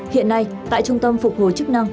hiện nay tại trung tâm phục hồi chức năng